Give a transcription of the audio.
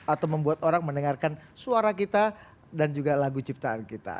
atau membuat orang mendengarkan suara kita dan juga lagu ciptaan kita